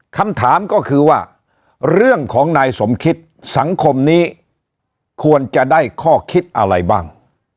คำถามก็คือว่าเรื่องของนายสมคิดสังคมนี้ควรจะได้ข้อคิดอะไรบ้าง